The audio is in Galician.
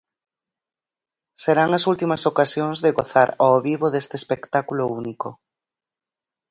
Serán as últimas ocasións de gozar ao vivo deste espectáculo único.